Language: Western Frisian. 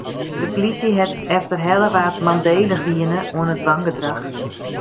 De polysje hat efterhelle wa't mandélich wiene oan it wangedrach.